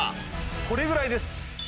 これぐらいです。